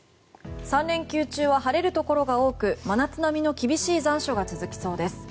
３連休中は晴れるところが多く真夏並みの厳しい残暑が続きそうです。